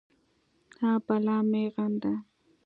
نه بلا مې غم ده.